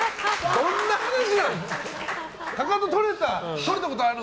どんな話なの？